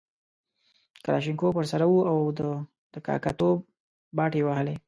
کلاشینکوف ورسره وو او د کاکه توب باټې یې وهلې.